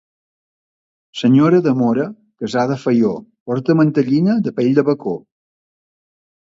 Senyora de Móra, casada a Faió, porta mantellina de pell de bacó.